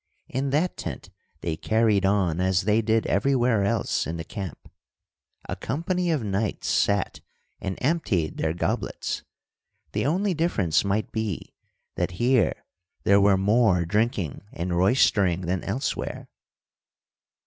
In that tent they carried on as they did everywhere else in the camp. A company of knights sat and emptied their goblets. The only difference might be that here there were more drinking and roystering than elsewhere.